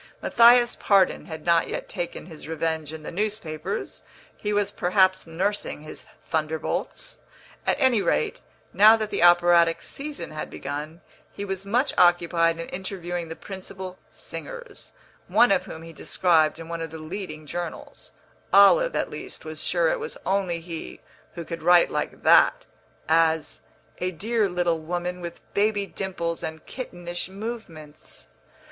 Matthias Pardon had not yet taken his revenge in the newspapers; he was perhaps nursing his thunderbolts; at any rate, now that the operatic season had begun, he was much occupied in interviewing the principal singers, one of whom he described in one of the leading journals (Olive, at least, was sure it was only he who could write like that) as "a dear little woman with baby dimples and kittenish movements."